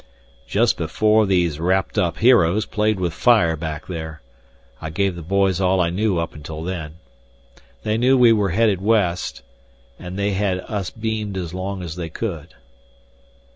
"Just before these wrapped up heroes played with fire back there. I gave the boys all I knew up until then. They know we were headed west, and they had us beamed as long as they could."